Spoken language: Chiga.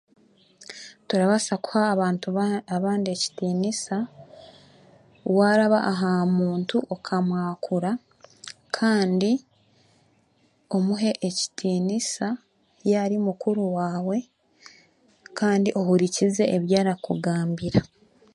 Turabaasa kuha abantu abandi ekitiinisa waaraba aha muntu okamwakura kandi omuhe ekitiinisa yaaba ari mukuru waawe kandi ohurikize ebi arakugambira.